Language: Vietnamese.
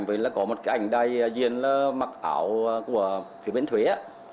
với là có một cái ảnh đài diễn là mặc ảo của phía bên thuế